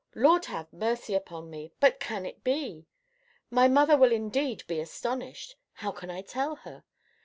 Lord have mercy upon me! But can it be? My mother will indeed be astonished! How can I tell it her!